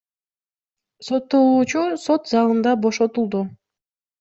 Соттолуучу сот залында бошотулду.